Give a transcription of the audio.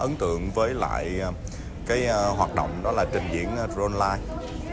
ấn tượng với lại cái hoạt động đó là trình diễn drone line